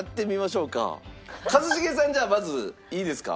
一茂さんじゃあまずいいですか？